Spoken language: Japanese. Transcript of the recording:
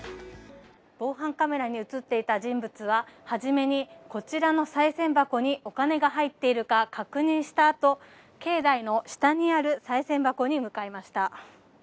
防犯カメラに映っていた人物は、初めにこちらのさい銭箱にお金が入っているか確認したあと境内の下にあるさい銭箱に向かいました。